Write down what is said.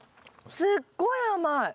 すっごい甘い。